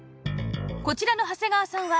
こちらの長谷川さんは